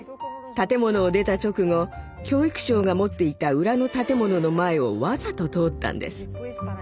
建物を出た直後教育省が持っていた裏の建物の前をわざと通ったんです。